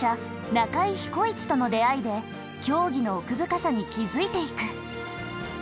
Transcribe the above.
中居彦一との出会いで競技の奥深さに気付いていく。